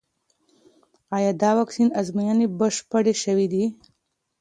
ایا د واکسین ازموینې بشپړې شوې دي؟